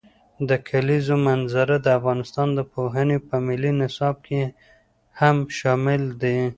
د کلیزو منظره د افغانستان د پوهنې په ملي نصاب کې هم شامل دي.